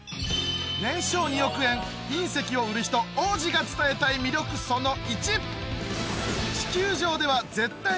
年商２億円隕石を売る人王子が伝えたい魅力その①